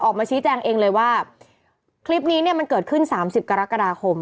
ออกมาชี้แจงเองเลยว่าคลิปนี้เนี่ยมันเกิดขึ้น๓๐กรกฎาคม